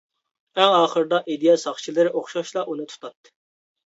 ئەڭ ئاخىرىدا ئىدىيە ساقچىلىرى ئوخشاشلا ئۇنى تۇتاتتى.